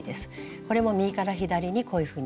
これも右から左にこういうふうに。